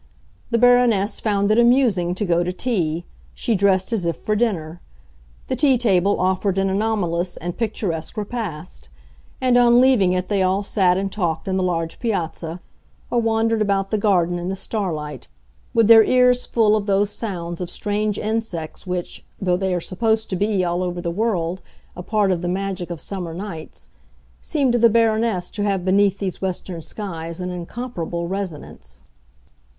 The Baroness found it amusing to go to tea; she dressed as if for dinner. The tea table offered an anomalous and picturesque repast; and on leaving it they all sat and talked in the large piazza, or wandered about the garden in the starlight, with their ears full of those sounds of strange insects which, though they are supposed to be, all over the world, a part of the magic of summer nights, seemed to the Baroness to have beneath these western skies an incomparable resonance.